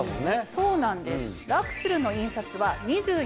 そうなんです。